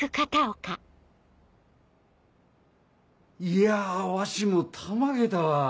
いやわしもたまげたわ。